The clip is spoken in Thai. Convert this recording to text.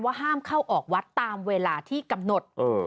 ห้ามเข้าออกวัดตามเวลาที่กำหนด